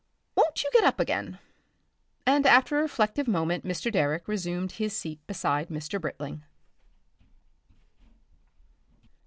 Won't you get up again?" And after a reflective moment Mr. Direck resumed his seat beside Mr. Britling....